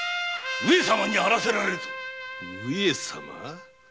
上様？